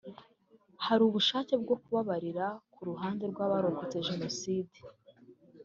hari ubushake bwo kubabarira ku ruhande rw’abarokotse Jenoside